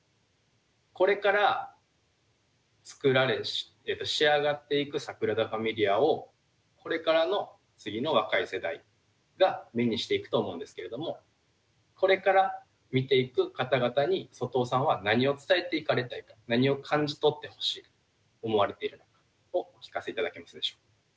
これから作られ仕上がっていくサグラダ・ファミリアをこれからの次の若い世代が目にしていくと思うんですけれどもこれから見ていく方々に外尾さんは何を伝えていかれたいか何を感じ取ってほしいと思われているのかをお聞かせ頂けますでしょうか。